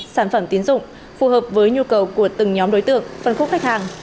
sản phẩm tiến dụng phù hợp với nhu cầu của từng nhóm đối tượng phân khúc khách hàng